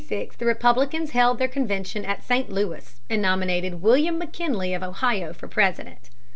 In 1896 the Republicans held their convention at St. Louis and nominated William McKinley of Ohio for President.